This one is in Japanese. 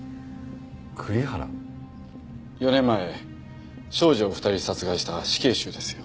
４年前少女を２人殺害した死刑囚ですよ。